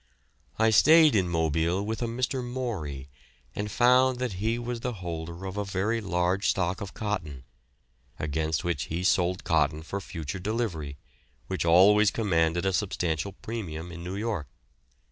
I stayed in Mobile with a Mr. Maury, and found that he was the holder of a very large stock of cotton, against which he sold cotton for future delivery, which always commanded a substantial premium in New York.